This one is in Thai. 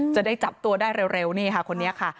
จะได้จับตัวได้เร็วนี่ค่ะคนนี้ค่ะ